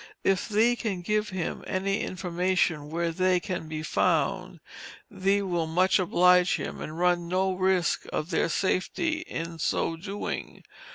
If thee can give him any information where they can be found thee will much oblige him, and run no risk of their safety in so doing.